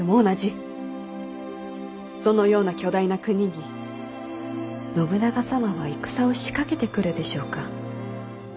そのような巨大な国に信長様は戦を仕掛けてくるでしょうか？